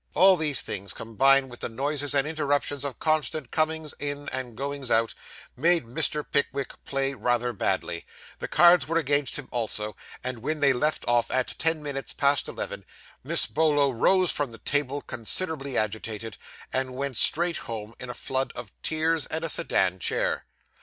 All these things, combined with the noises and interruptions of constant comings in and goings out, made Mr. Pickwick play rather badly; the cards were against him, also; and when they left off at ten minutes past eleven, Miss Bolo rose from the table considerably agitated, and went straight home, in a flood of tears and a sedan chair.